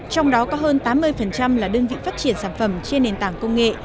trong đó có hơn tám mươi là đơn vị phát triển sản phẩm trên nền tảng công nghệ